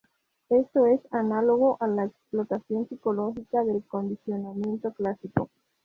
Esto es análogo a la explotación psicológica del condicionamiento clásico.